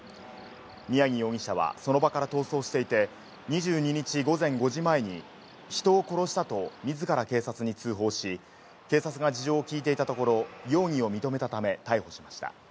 宮城容疑者はその場から逃走していて、２２日午前５時前に人を殺したとみずから警察に通報し、警察が事情を聞いていたところ、容疑を認めたため逮捕しました。